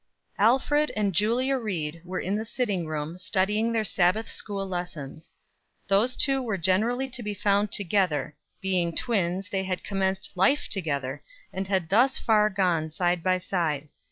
Alfred and Julia Ried were in the sitting room, studying their Sabbath school lessons. Those two were generally to be found together; being twins, they had commenced life together, and had thus far gone side by side.